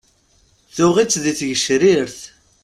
Tuɣ-itt di tgecrirt.